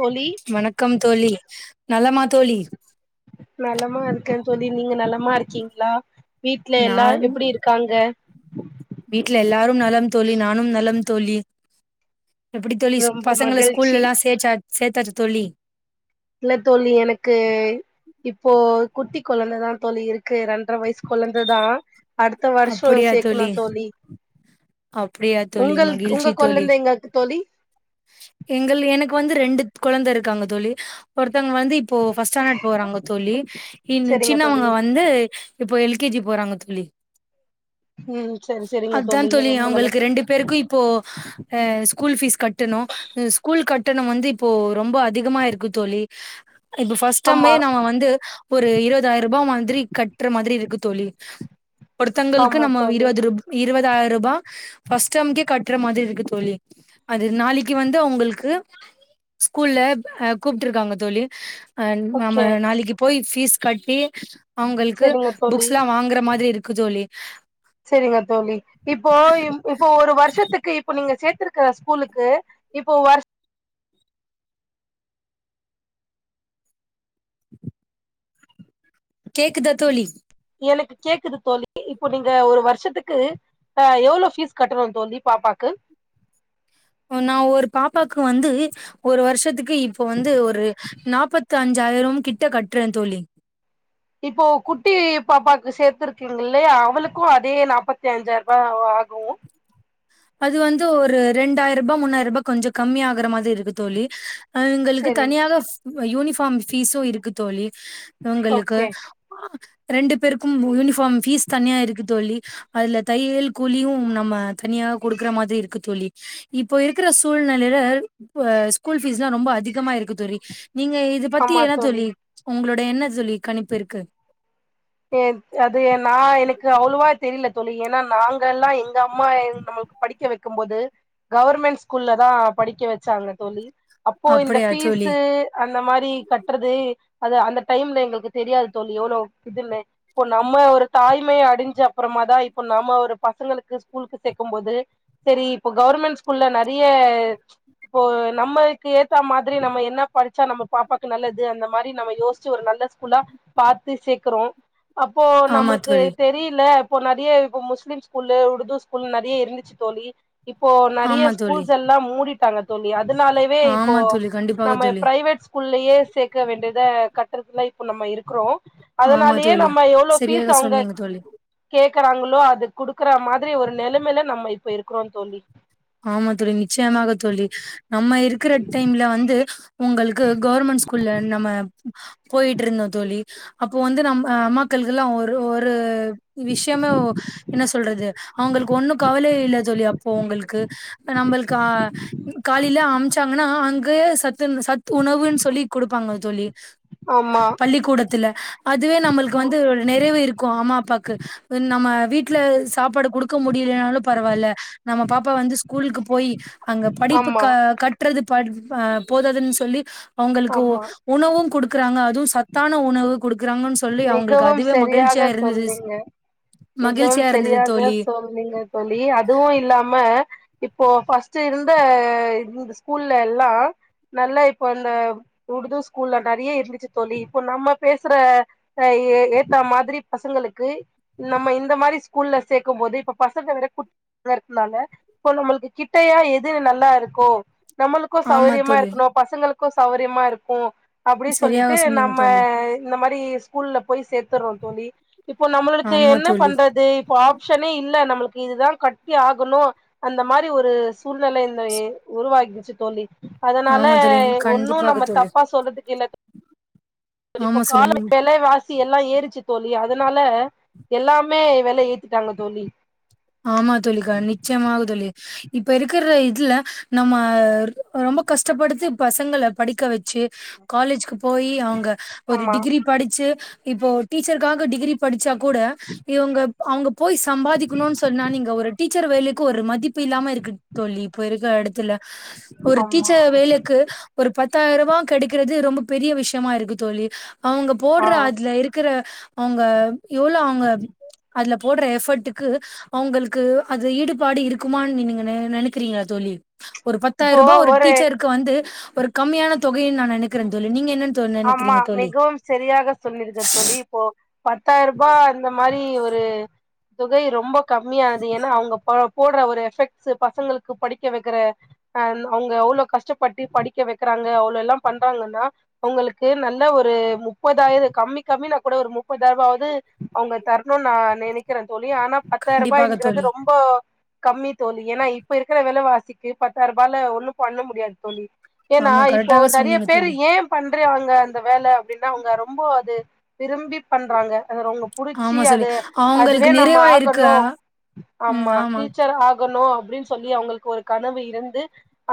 தோழி வணக்கம் தோழி நலமா தோழி நலமா இருக்கே தோழி நீங்க நலமா இருக்கீங்களா வீட்ல எல்லா நான் எப்பிடி இருக்காங்க வீட்ல எல்லாரும் நலம் தோழி நானும் நலம் தோழி எப்பிடி தோழி ரொம்ப பசங்கள ஸ்கூல்ல மகிழ்ச்சி எல்லாம் சேச்சா சேத்தாச்சா தோழி இல்ல தோழி எனக்கு இப்போ குட்டி கொழந்தைதா தோழி இருக்கு ரெண்டரை வயசு கொழந்ததா அடுத்த வருஷோ சேக்கணு தோழி அப்படியா தோழி உங்களுக்கு உங்க மகிழ்ச்சி தோழி கொழந்தைங்க தோழி எங்கள் எனக்கு வந்து ரெண்டு கொழந்த இருக்காங்க தோழி ஒருத்தவங்க வந்து இப்போ ஃபர்ஸ்ட் ஸ்டாண்டர்ட் போறாங்க தோழி இன் செரிங்க தோழி சின்னவுங்க வந்து இப்போ எல்கேஜி போறாங்க தோழி ம் சேரி சேரிங்க தோழி ரொம்ப நல்லது ரெண்டு பேருக்கு இப்போ அ ஸ்கூல் ஃபீஸ் கட்டணும் ஸ்கூல் கட் ட்டணம் வந்து இப்போ ரொம்ப அதிகமா இருக்கு தோழி இப்ப ஃபஸ்டமே ஆமா நம்ம வந்து ஒரு இருபதாயிர ரூபாய் மாதிரி கட்டுற மாதிரி இருக்கு தோழி ஒருத்தங்களுக்கு ஆமா நம்ம தோழி இருவது ரூப் இருவதாயிர ரூபா ஃபர்ஸ்ட்டம்கே கட்டுற மாதிரி இருக்கு தோழி அது நாளைக்கு வந்து அவுங்களுக்கு ஸ்கூல்ல அ கூப்ட்ருக்காங்க தோழி அ நம்ம ஓகே நாளைக்கு போய் ஃபீஸ் கட்டி அவுங்களுக்கு செரிங்க தோழி புக்ஸ்லா வாங்குற மாதிரி இருக்கு தோழி சேரிங்க தோழி இப்போ இப்போ ஒரு வருஷத்துக்கு இப்போ நீங்க சேத்து இரு க ஸ்கூலுக்கு இப்போ வரு கேக்குதா தோழி எனக்கு கேக்குது தோழி இப்போ நீங்க ஒரு வருஷத்துக்கு அ எவ்ளோ ஃபீஸ் கட்டணு தோழி பாப்பாக்கு நா ஒரு பாப்பாக்கு வந்து ஒரு வருஷத்துக்கு இப்போ வந்து ஒரு நாப்பத்து அஞ்சாயிர கிட்ட கட்டுறே தோழி இப்போ குட்டி பாப்பாக்கு சேத்துருக்கீங்கில்லையா அவளுக்கு அதே நாப்பத்தி அஞ்சாயி ரூபா ஆகு அது வந்து ஒரு ரெண்டாய்ரூபா மூணாயிரூபா கொஞ்ச கம்மி ஆகுற மாதிரி இருக்கு தோழி இவுங்களுக்கு சேரி தனியாக யூனிஃபாம் ஃபீஸு இருக்கு தோழி இவுங்களுக்கு ஓகே ரெண்டு பேருக்கும் யூனிஃபார்ம் ஃபீஸ் தனியா இருக்கு தோழி அதுல தையல் கூழியு நம்ம தனியாக குடுக்கற மாதிரி இருக்கு தோழி இப்போ இருக்கற சூழ்நிலைல ஸ்கூல் ஃபீஸ்ல்லா ரொம்ப அதிகமா இருக்கு தோழி நீங்க இது பத்தி என்னா தோழி உங்களோட என்ன தோழி கணிப்பு இருக்கு அது நா எனக்கு அவ்ளவா தெரில தோழி ஏனா நாங்கெல்லா எங்க அம்மா நம்ள்க்கு படிக்க வெக்கும்போது கவர்மெண்ட் ஸ்கூல்லதா படிக்க வெச்சாங்க தோழி அப்போ இந்த அப்படியா தோழி ஃபீஸ்சு அந்த மாரி கட்டறது அது அந்த டைம்ல எங்களுக்கு தெரியாது தோழி எவ்ளோ இதுன்னு இப்போ நம்ம ஒரு தாய்மையை அடஞ்ச அப்பறமாதா இப்போ நம்ம ஒரு பசங்களுக்கு ஸ்கூலுக்கு சேக்கும்போது செரி இப்போ கவர்மெண்ட் ஸ்கூல்ல நெறைய இப்போ நம்மக்கு ஏத்தா மாரி நம்ம என்ன படிச்சா நம்ம பாப்பாக்கு நல்லது அந்த மாரி நம்ம யோஸ் ச்சு ஒரு நல்ல ஸ்கூலா பாத்து சேக்கறோ அப்போ ஆமா நம்மளுக்கு தோழி தெரில இப்போ நெறையா இப்ப முஸ்லீம் ஸ்கூலூ உருது ஸ்கூலூ நெறைய இருந்துச்சு தோழி இப்போ நெறையா ஆமா தோழி ஸ்கூல்ஸ் எல்லா மூடிட்டாங்க தோழி அதனால வே இப்போ ஆமா தோழி கண்டிப்பாக நம்ம தோழி பிரைவேட் ஸ்கூல்லயே சேக்க வேண்டிதா கட்டறதுல இப்ப நம்ம இருக்குறோ ஆமா அதனாலயே தோழி நம்ம எவ்ளோ ஃபீஸ் சரியாக அவுங்க சொன்னீங்க தோழி கேக்கறாங்ளோ அது குடுக்கற மாதிரி ஒரு நெலைமைல நம்ம இப்போ இருக்குறோ தோழி ஆமா தோழி நிச்சயமாக தோழி நம்ம இருக்கற டைம்ல வந்து உங்களுக்கு கவர்மெண்ட் ஸ்கூல்ல நம்ம போயிட்டு இருந்தோ தோழி அப்போ வந்து நம்ம அம்மாக்களுக்கெல்லா ஒரு ஒரு விஷ்யமே என்ன சொல்றது அவுங்களுக்கு ஒன்னு கவலை இல்ல தோழி அப்போ அவுங்களுக்கு நம்ள்க்கு அ காலைலயே அம்ச்சாங்னா அங்கயே சத்து சத் உணவுன்னு சொல்லி குடுப்பாங்க தோழி ஆமா பள்ளிக்கூடத்துல அதுவே நம்மளுக்கு ஆமா வந்து நிறைவு இருக்கு அம்மா அப்பாக்கு உ நம்ம வீட்ல சாப்பாடு குடுக்க முடியலனாலு பரவால்ல நம்ம பாப்பா வந்து ஸ் கூலுக்கு போய் அங்க படிப்பு க ஆமா கட்டறது ப அ போதாதுன் சொல்லி அவுங்களுக்கு ஆமா உணவு குடுக்கறாங்க அதுவு சத்தான உணவு குடுக்கறாங்கன் சொல்லி அவுங்களுக்கு மிகவும் அதுவே மகிழ்ச்சியா சரியாக இருந்தது சொன்னீங்க மகிழ்ச்சியா இருந்தது தோழி சேரிங்க தோழி அதுவு இல்லாம இப்போ ஃபர்ஸ்ட்டு இருந்த இந்த ஸ்கூல்ல எல்லா நல்லா இப்ப அந்த உருது ஸ்கூல்ல நெறையா இருந்துச்சு தோழி இப்போ நம்ம பேசற அ ஏ ஏத்தா மாதிரி பசங்களுக்கு நம்ம இந்த மாதிரி ஸ்கூல்ல சேக்கும்போது இப்ப பசங்க விட கு ட்டியா இருக்கனால இப்போ நம்மளுக்கு கிட்டையா எது நல்லா இருக்கோ நம்மளுக்கு ஆமா சௌரியமா தோழி இருக்கணு பசங்களுக்கு சௌரியமா இருக்கு அப்டி சரியாக சொல்லிட்டு சொன்னீங்க நம்ம தோழி இந்த மாரி ஸ்கூல்ல போய் சேத்தர்றோ தோழி இப்போ நம்மளுக்கு ஆமா என்ன தோழி பண்றது இப்போ ஆப் ஷனே இல்ல நம்மளுக்கு இதுதா கட்டி ஆகணு அந்த மாரி ஒரு சூழ்நிலை இந்த உருவாகிருச்சு தோழி அதனால ஆமா தோழி ஒன்னு கண்டிப்பாக நம்ம தோழி தப்பா சொல்றதுக்கில்ல தோழி இப்ப ஆமா கால சொல்லுங் வெல வாசி எல்லா ஏறுச்சு தோழி அதனால எல்லாமே வெல ஏத்திட்டாங்க தோழி ஆமா தோழி க நிச்சியமாக தோழி இப்ப இருக்கற இதுல நம்ம ரொம்ப கஷ்டப்படுத்தி பசங்கள படிக்க வெச்சு காலேஜ்க்கு போயி அவுங்க ஒரு ஆமா டிகிரி படுச்சு இப்போ டீச்சர்க்காக டிகிரி படுச்சா கூட இவுங்க அவுங்க போய் சம்பாதிக்கணுன் சொ சொன்னா நீங்க ஒரு டீச்சர் வேலைக்கு ஒரு மதிப்பு இல்லாம இருக்கு தோழி இப்ப இருக்க எடத்துல ஒரு ஆமா டீச்சர் வேலைக்கு ஒரு பத்தாயருவா கெடைக்கறது ரொம்ப பெரிய விஷ்யமா இருக்கு தோழி அவுங்க ஆ போட்ற அதுல இருக்குற அவுங்க எவ்ளோ அவுங்க அதுல போட்ற எஃபர்ட்டு க்கு அவுங்கள்க்கு அதுல ஈடுபாடு இருக்குமான் நீங்க நெ நெனைக்றீங்ளா தோழி ஒரு பத்தாயர்ருபா ஒரு டீச்சர்க்கு வந்து ஒரு கம்மியான தொகைன் நா நெனைக்கிறெ தோழி நீங்க என்ன ஆமா மிகவும் செரியாக சொன்னீர்கள் தோழி இப்போ பத்தாயர்ருபா இந்த மாரி ஒரு தொகை ரொம்ப கம்மியானது ஏன்னா அவுங்க ப போட்ற ஒரு எஃபெக்ட்ஸ்ஸு பசங்களுக்கு படிக்க வைக்குற அ அவுங்க அவ்ளோ கஷ்டப்பட்டு படிக்க வெக்கிறாங்க அவ்ளோ எல்லா பண்றாங்கன்னா ஒங்களுக்கு நல்ல ஒரு முப்பதாயிர கம்மி கம்மினா கொட ஒரு முப்பதாயிர் ருவாது அவுங்க தர்ணுனு நா நெனைக்கிறே தோழி ஆனா பத்தாயர் கண்டிப்பாக ருபாய்ங்றது தோழி. ரொம்போ கம்மி தோழி ஏனா இப்ப இருக்குற வெல வாசிக்கு பத்தாய்ருபால ஒண்ணு பண்ண முடியாது தோழி ஏனா ஆமா இப்போ கரெக்டாக நெறைய சொன்னீங்க பேரு தோழி. ஏ பண்றெவங்க அந்த வேல அப்டின்னா அவுங்க ரொம்ப அது விரும்பிப் பண்றாங்க அது ரொங்க புடுச்சி ஆமா தோழி. அது அவங்களுக்கு அதுவே நம்ம நிறைவா இருக்கு. ஆகணு ஆ- ஆமா டீச்சர் ஆ கணு அப்டின் சொல்லி அவுங்களுக்கு ஒரு கனவு இருந்து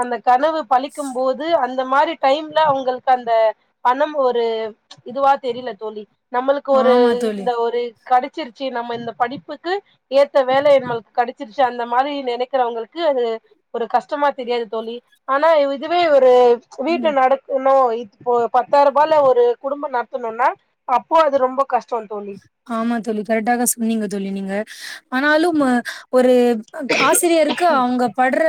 அந்த கனவு பழிக்கும்போது அந் ந்த மாரி டைம்ல அவுங்கள்க்கு அந்த பணம் ஒரு இதுவா தெரில தோழி நம்மளுக்கு ஒரு ஆமா தோழி. இந்த ஒரு கடச்சிருச்சி நம்ம இந்த படிப்புக்கு ஏத்த வேல நமள்க்கு கடச்சிருச்சு அந்த மாரி நெனக்கிறவங்களுக்கு அது ஒரு கஷ்டமா தெரியாது தோழி ஆனா இதுவே ஒரு வீட்ல ம் நடக்குணு இப்போ பத்தாயர் ருபால ஒரு குடும்பொ நடத்தணுனா அப்போ அது ரொம்ப கஷ்டோ தோழி ஆமா தோழி கரெட்டா தா சொன்னீங்க தோழி நீங்க ஆனாலும் அ ஒரு ஆசிரியருக்கு அவுங்க பட்ற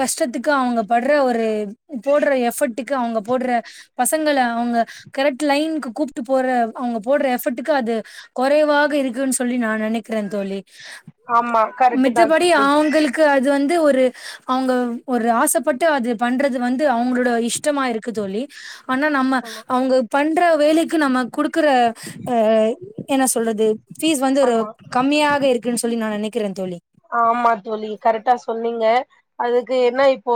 கஷ்டத்துக்கு அவுங்க பட்ற ஒரு போட்ற எஃபர்ட்டுக்கு அவுங்க போட்ற பசங்கள அவுங்க கரெக்ட் லைன்க்கு கூப்ட்டு போற அவுங்க போட்ற எஃபர்ட் டுக்கு அது கொறைவாக இருக்குன் சொல்லி நா நெனைக்றே தோழி ஆமா கரெக்ட் தா மித்தபடி தோழி அவுங்களுக் க்கு அது வந்து ஒரு அவுங்க ஒரு ஆசப்பட்டு அது பண்றது வந்து அவுங்ளோட இஷ் டமா இருக்கு தோழி ஆனா நம்ம ஆமா அவுங்க பண்ற வேலைக்கு நம்ம குடுக்குற அ என்ன சொல்றது ஃபீஸ் வந்து ஒரு ஆமா கம்மியாக இருக்குன் சொல்லி நா நெனைக்கிறே தோழி ஆமா தோழி கரெட்டா சொன்னீங்க அதுக்கு என்ன இப்போ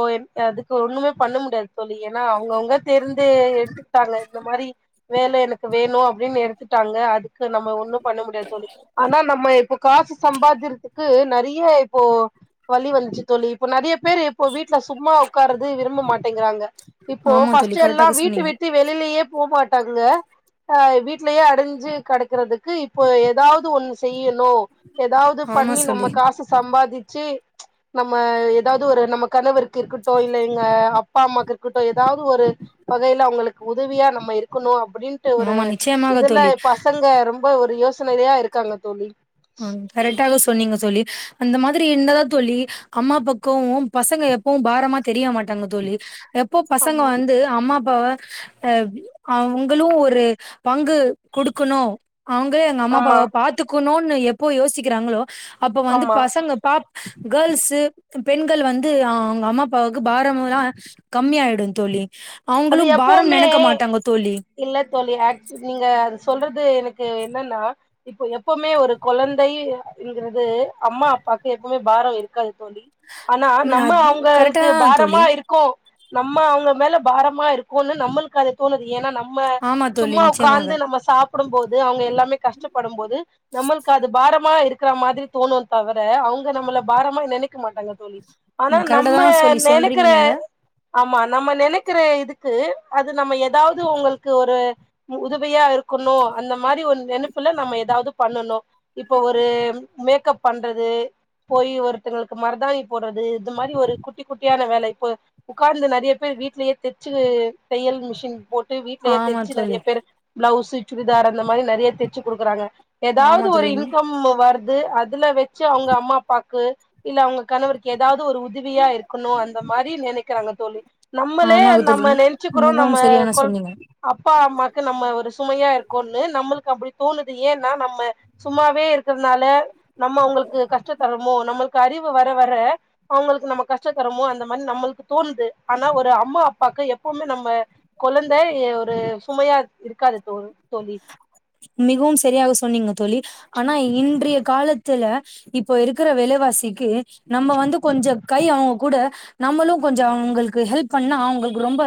அதுக்கு ஒண்ணுமே பண்ண முடியாது தோழி ஏனா அவுங்கவுங்க தேர்ந்து எடுத்துக்கிட்டாங்க இந்த மாரி வேல எனக்கு வேணு அப்டின்னு எடு த்துட்டாங்க அதுக்கு நம்ம ஒண்ணு பண்ண முடியாது தோழி ஆனா நம்ம இப்ப காசு சம்பாதிர்துக்கு நெறியா இப்போ வழி வந்ச்சு தோழி இப்போ நெறைய பேரு இப்போ வீட்ல சும்மா உட்காரது விரும்ப மாட் டெங்குறாங்க இப்போ ஆமா தோழி ஃபஸ்டு எல்லா கரெக்டாக சொன்னீங்க வீட்டவிட்டு வெளிலயே போமாட்டாங்க அ வீட்லயே அடஞ்சு கெடக்குறதுக்கு இப்போ எதாவது ஒன்னு செய்யணு ஏதாவ்து ஆமா பண்ணி சொல்லி நம்ம காசு சம்பாதிச்சு நம்ம எதாவ்து ஒரு நம்ம கணவருக்கு இருக்கட்டு இல்ல எங்க அப்பா அம்மாக்கு இருக்கட்டு எதாவ்து ஒரு வகைல அவுங்களுக்கு உதவியா நம்ம இருக்கணு அப்டின்ட்டு ஒரு ஆமா நிச்சயமாக இதுல தோழி பசங்க ரொம்ப ஒரு யோசனைலையா இருக்காங்க தோழி அ கரெக்டாக சொன்னீங்க தோழி அந்த மாதிரி இர்ந்தா தா தோழி அம்மா பக்கொ பசங்க எப்பவு பாரமா தெரியமாட்டாங்க தோழி எப்போ பசங்க ஆமா வந்து அம்மா அப்பாவ அ அவங்களு ஒரு பங்கு குடுக்கணு அவங்களே எங்க ஆமா அம்மாப்பாவ பாத்துக்குணுன்னு எப்போ யோசிக்கிறாங்களோ அப்ப வந்து ஆமா பசங்க பா கேர்ள்ஸு பெண்கள் வந்து அவுங்க அம்மா அப்பாவுக்கு பாரமல்லா கம்மியாயிடு தோழி அவுங்களு அது பாரம் எப்பவுமே நெனைக்க மாட்டாங்க தோழி இல்ல தோழி ஆக்ச் நீங்க அது சொல்றது எனக்கு என்னன்னா இப்ப எப்பவுமே ஒரு கொழந்தை ங்கிறது அம்மா அப்பாக்கு எப்பவுமே பாரோ இருக்காது தோழி ஆனா ம் நம்ம அது கரெக்டா அவங்களுக்கு தா பாரமா தோழி. இருக் கோ நம்ம அவுங்க மேல பாரமா இருக்குன்னு நம்மளுக்கு அது தோணுது ஏன்னா நம்ம ஆமா தோழி சும்மா நிச்சயமாக. உக்காந்து நம்ம சாப்புடும் போது அவுங்க எல்லாமே கஷ்டப்படும் போது நம்மளுக்கு அது பாரமா இருக்கற மாதிரி தோணு தவுர அவங்க நம்மள பாரமா நெனைக்க மாட்டாங்க தோழி ஆனா ஆமா கரெக்டா நம்ம தா சொல்லி சொல்றீங்க நெனைக்கிற நீங்க. ஆமா நம்ம நெனைக் கற இதுக்கு அது நம்ம ஏதாவது உங்களுக்கு ஒரு உ உதவியா இருக்கணு அந்த மாரி ஒரு நெப்புல நம்ம ஏதாவது பண்ணணு இப்போ ஒரு மேக்கப் பண்றது போய் ஒருத்தங்களுக்கு மரதாணி போடுறது அந்த மாதிரி ஒரு குட்டி குட்டியான வேல இப்போ உக்காந்து நறைய பேர் வீட்லயே தச்சு தையல் மிஷின் போட்டு வீட்லயே ஆமா தச்சு தோழி நறைய பேர் பிளவுஸ் சுடிதார் அந்த மாதிரி நறைய தச்சு குடுக்குறாங்க ஏதாவது ஆமா ஒரு தோழி இன்கம் வர் ருது அதுல வெச்சு அவுங்க அம்மா அப்பாக்கு இல்ல அவுங்க கணவருக்கு ஏதாவது ஒரு உதவியா இருக்கணு அந்த மாரி நெனைக்கிறாங்க தோழி நம்மளே ஆமாங்க நம்ம தோழி நெச்சுக்கிறோ மிகவும் நம்ம சரியான கொள் சொன்னீங்க அப்பா அம்மாக்கு நம்ம ஒரு சுமையா இருக்கோனு நம்மளுக்கு அப்படி தோணுது ஏன்னா நம்ம சும்மாவே இருக்கறதுனால நம்ம அவங்களுக்கு கஷ்ட தருமோ நம்மளுக்கு அறிவு வர வர அவங்களுக்கு நம்ம கஷ்டோத்தரமோ அந்த மாரி நம்மளுக்கு தோணுது ஆனா ஒரு அம்மா அப் பாக்கு எப்பவுமே நம்ம கொழந்த ஒரு சுமையா இருக்காது தோழ் தோழி மிகவும் சரியாக சொன்னீங்க தோழி ஆனா இன்றைய கால த்துல இப்போ இருக்குற வெலைவாசிக்கி நம்ம வந்து கொஞ்சோ கை அவுங்க கூட நம்மளு கொஞ்சோ அவங்களுக்கு ஹெல்ப் பண்ணா அவங்களுக்கு ரொம்ப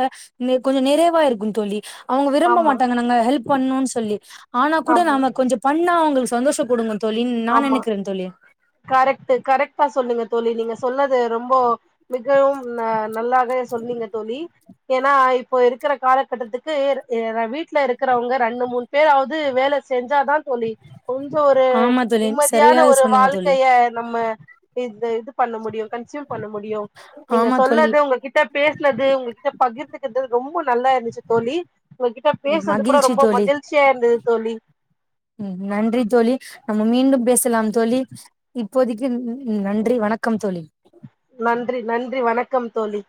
நெ கொஞ்சோ நெறைவா இருக்கு தோழி அவுங்க விரும்ப ஆமா மாட்டாங்க நாங்க ஹெல்ப் பண்ணுன் சொல்லி ஆனா கூட ஆமா நாம கொஞ்சோ பண்ணா அவுங்களுக்கு சந்தோஷோ படுங்க தோழி நா நெனைக்கிறே தோழி கரெக்ட்டு கரெக்ட்டா சொன்னிங்க தோழி நீங்க சொன்னது ரொம்போ மிகவு அ ந நல்லாக சொன்னீங்க தோழி ஏன்னா இப்போ இருக்குற காலகட்டத்துக்கு அ வீட்ல இருக்கறவங்க ரெண்டு மூண் பேராவது வேல செஞ்சாதா தோழி கொஞ்சோ ஒரு ஆமா தோழி சரியா நிம்மதியான ஒரு சொன்னீங்க தோழி வாழ்க்கைய நம்ம இது இது பண்ண முடியு கன்சியூ பண்ண முடியு நீங்க ஆமா தோழி சொன்னது உங்ககிட்ட பேசுனது உங்ககிட்ட பகிர்ந்துகது ரொம்ப நல்லாருந்துச்சு தோழி உங்ககிட்ட பேசுறது கூட மகிழ்ச்சி ரொம்ப தோழி மகிழ்ச்சியா இருந்தது தோழி ம் நன்றி தோழி நம்ம மீண்டும் பேசலாம் தோழி இப்போதக்கி ந் நன்றி வணக்கம் தோழி நன்றி நன்றி வணக்கம் தோழி